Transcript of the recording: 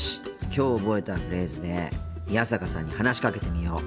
きょう覚えたフレーズで宮坂さんに話しかけてみよう。